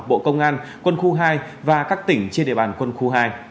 bộ công an quân khu hai và các tỉnh trên địa bàn quân khu hai